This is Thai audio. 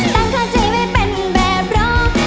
ตามความใจไม่เป็นแบบเพราะ